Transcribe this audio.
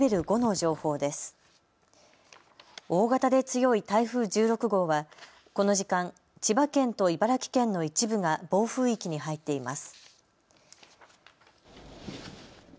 大型で強い台風１６号はこの時間、千葉県と茨城県の一部が暴風域に入っています。